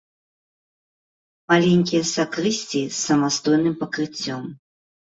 Маленькія сакрысціі з самастойным пакрыццём.